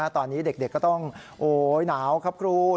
ตอนนี้เด็กก็ต้องโอ๊ยหนาวครับครู